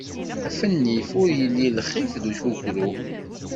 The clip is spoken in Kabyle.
Af nnif ur illi lxif d ukukru.